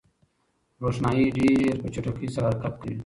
روښنايي ډېر په چټکۍ سره حرکت کوي.